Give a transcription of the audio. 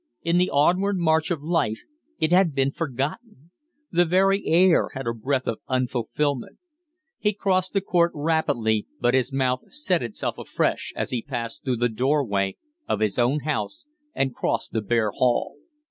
In the onward march of life it had been forgotten. The very air had a breath of unfulfilment. He crossed the court rapidly, but his mouth set itself afresh as he passed through the door way of his own house and crossed the bare hall.